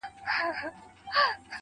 او ستا د ښكلي شاعرۍ په خاطر,